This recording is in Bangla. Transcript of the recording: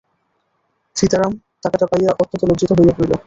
সীতারাম টাকাটা পাইয়া অত্যন্ত লজ্জিত হইয়া পড়িল।